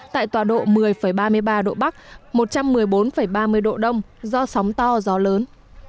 tại tòa độ một mươi ba mươi ba độ bắc một trăm một mươi bốn ba mươi độ đông do sóng to gió lớn